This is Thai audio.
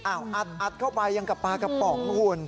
อัดเข้าไปยังกับปลากระป๋องคุณ